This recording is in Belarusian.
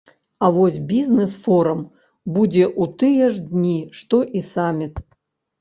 А вось бізнес-форум будзе ў тыя ж дні, што і саміт.